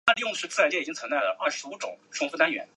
加罗讷河畔萨莱。